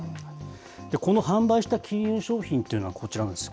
この販売した金融商品というのはこちらなんです。